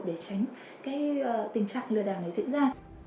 để tránh tình trạng lừa đảo này diễn ra